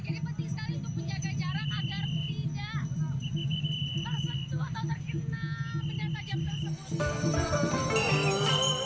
jadi penting sekali untuk menjaga jarak agar tidak tersentuh atau terkena benda tajam tersebut